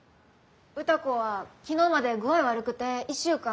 歌子は昨日まで具合悪くて１週間。